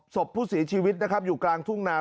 ศพผู้เสียชีวิตนะครับอยู่กลางทุ่งนา